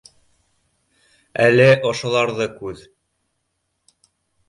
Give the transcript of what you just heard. Әле ошоларҙы күҙ